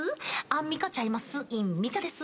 アンミカちゃいます。